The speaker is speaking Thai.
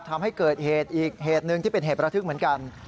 ทำให้เกิดเหตุอีกเหตุหนึ่งที่เป็นเหตุประทึกเหมือนกัน